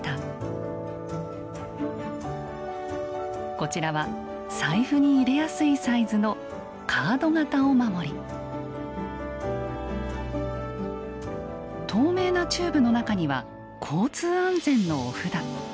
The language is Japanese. こちらは財布に入れやすいサイズの透明なチューブの中には交通安全のお札。